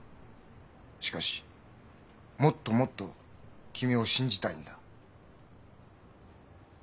しかしもっともっと君を信じたいんだ。